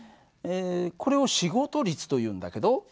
これを仕事率というんだけどｔ秒間に